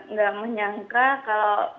nggak menyangka kalau